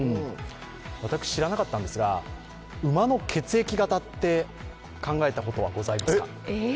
私、知らなかったんですが、馬の血液型って考えたことはございますか？